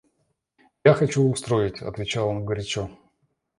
Я хочу устроить... — отвечал он горячо.